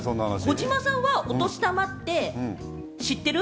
児嶋さんはお年玉って知ってる？